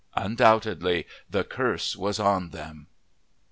Undoubtedly the curse was on them!